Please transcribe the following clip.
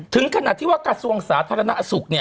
ถึงขนาดที่ว่ากระทรวงสาธารณสุข